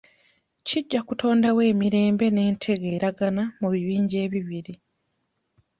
Kijja kutondawo emirembe n'entegeeragana mu bibinja ebibiri.